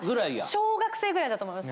小学生ぐらいだと思います